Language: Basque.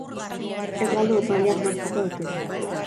Ez galdu opariak lortzeko aukera!